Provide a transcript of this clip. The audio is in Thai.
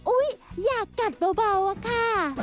อุ้ยอย่ากัดเบาอะค่ะ